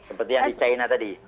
seperti yang di china tadi